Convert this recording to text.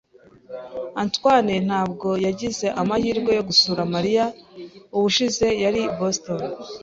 Antoine ntabwo yagize amahirwe yo gusura Mariya ubushize yari i Boston.